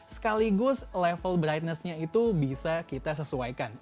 sekaligus level brightness nya itu bisa kita sesuaikan